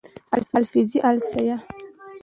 حفظی الصیحه